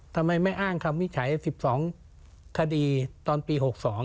ทำไมไม่อ้างคำวิจัย๑๒คดีตอนปี๖๒